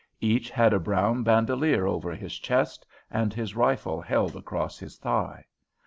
Each had a brown bandolier over his chest and his rifle held across his thigh.